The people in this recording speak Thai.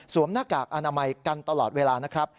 หน้ากากอนามัยกันตลอดเวลานะครับ